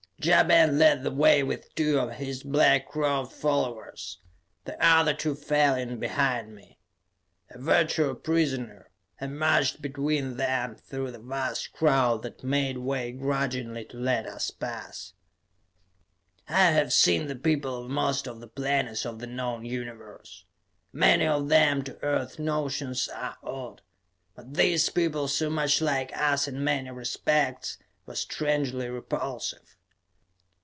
Ja Ben led the way with two of his black robed followers. The other two fell in behind me. A virtual prisoner, I marched between them, through the vast crowd that made way grudgingly to let us pass. I have seen the people of most of the planets of the known Universe. Many of them, to Earth notions, are odd. But these people, so much like us in many respects, were strangely repulsive.